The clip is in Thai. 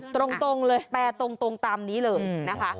ตรงเลยแปลตรงตามนี้เลยนะคะ